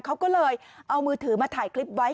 เขาก็เลยเอามือถือมาถ่ายคลิปไว้